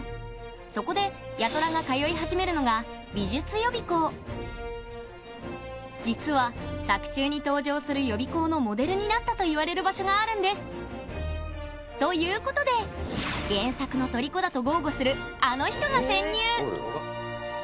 そこで八虎が通いはじめるのが実は作中に登場する予備校のモデルになったといわれる場所があるんです。ということで原作の虜だと豪語するあの人が潜入！